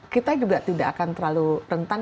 kita juga tidak akan terlalu rentan